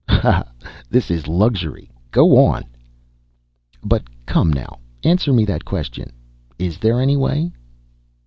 "Ha, ha! this is luxury! Go on!" "But come, now, answer me that question. Is there any way?"